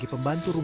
iya selamatallo use